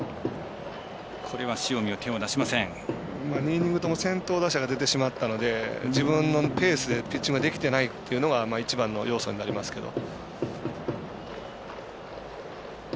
２イニングとも先頭打者が出てしまったので自分のペースでピッチングができてないというのが一番の要素になりますけど。